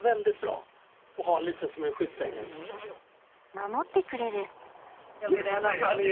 守ってくれる。